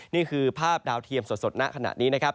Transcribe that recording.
นี่คือภาพดาวเทียมสดณขณะนี้นะครับ